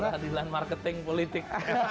peradilan marketing politik